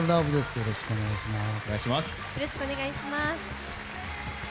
よろしくお願いします。